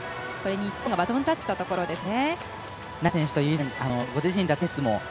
日本がバトンタッチしたところですね。